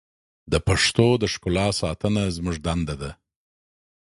د پښتو د ښکلا ساتنه زموږ دنده ده.